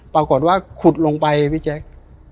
ปรากฏว่าขุดลงไปอ่ะพี่แจก